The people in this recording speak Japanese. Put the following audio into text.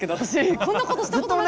こんなことしたことなかった。